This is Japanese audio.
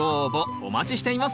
お待ちしています